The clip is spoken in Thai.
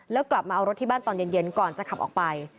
แล้วกลับมาเอารถที่บ้านตอนเย็นก่อนจะขับออกไป